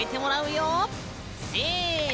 せの！